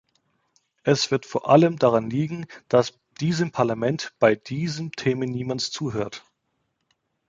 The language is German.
Es wird vor allem daran liegen, dass diesem Parlament bei diesen Themen niemand zuhört.